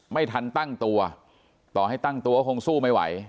ไม่ทันตั้งตัวต่อให้ตั้งตัวก็คงสู้ไม่ไหว